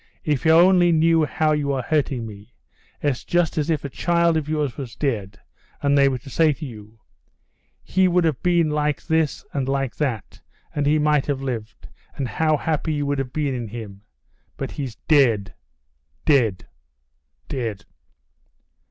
"If you only knew how you are hurting me. It's just as if a child of yours were dead, and they were to say to you: He would have been like this and like that, and he might have lived, and how happy you would have been in him. But he's dead, dead, dead!..."